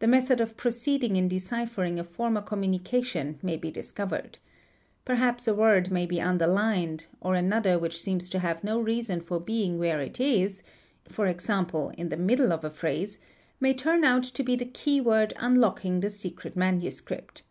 The method of proceeding it deciphering a former communication may be discovered. Perhaps @— PICTURE WRITING 595 word may be underlined, or another which seems to have no reason for being where it is (e.g., in the middle of a phrase) may turn out to be the key word unlocking the secret manuscript.